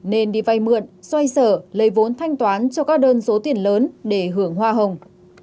nên đi vay mượn xoay sở lấy vốn thanh toán cho các đơn số tiền lớn để hưởng hoa hồng